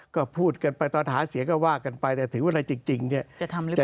ก็พูดกันไปตอนหาเสียงก็ว่ากันไปแต่ถึงเวลาจริงจะทำรึเปล่า